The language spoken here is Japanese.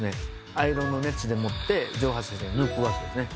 アイロンの熱でもって蒸発させて抜くわけですね。